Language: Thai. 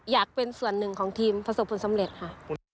อยากเป็นส่วนหนึ่งของทีมประสบผลสำเร็จค่ะ